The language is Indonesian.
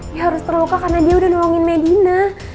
dia harus terluka karena dia udah nuangin medina